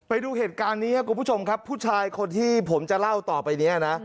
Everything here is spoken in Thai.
ไปดูเหตุการณ์นี้ครับคุณผู้ชมครับผู้ชายคนที่ผมจะเล่าต่อไปนี้นะ